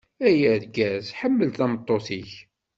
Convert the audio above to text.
Ay argaz, ḥemmel tameṭṭut-ik.